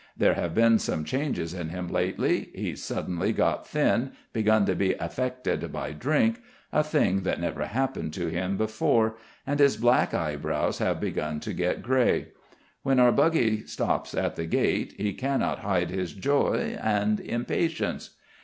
There have been some changes in him lately. He's suddenly got thin, begun to be affected by drink a thing that never happened to him before, and his black eyebrows have begun to get grey. When our buggy stops at the gate he cannot hide his joy and impatience.